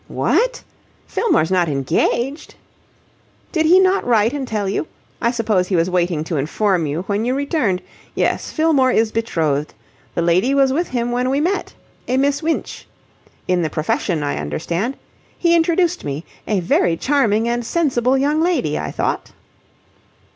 "What? Fillmore's not engaged?" "Did he not write and tell you? I suppose he was waiting to inform you when you returned. Yes, Fillmore is betrothed. The lady was with him when we met. A Miss Winch. In the profession, I understand. He introduced me. A very charming and sensible young lady, I thought."